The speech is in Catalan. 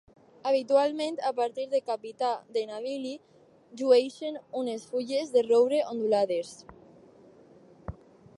Habitualment, a partir de Capità de Navili llueixen unes fulles de roure ondulades.